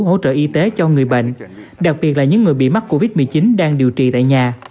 hỗ trợ y tế cho người bệnh đặc biệt là những người bị mắc covid một mươi chín đang điều trị tại nhà